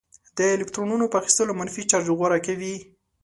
د الکترونونو په اخیستلو منفي چارج غوره کوي.